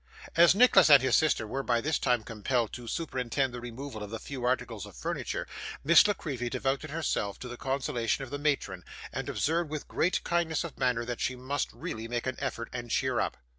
As Nicholas and his sister were by this time compelled to superintend the removal of the few articles of furniture, Miss La Creevy devoted herself to the consolation of the matron, and observed with great kindness of manner that she must really make an effort, and cheer up.